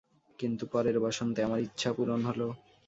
কিন্তু পরের বসন্তে, আমার ইচ্ছা পূরণ হলো।